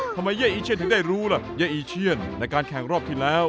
เย่อีเชียนถึงได้รู้ล่ะเย้อีเชียนในการแข่งรอบที่แล้ว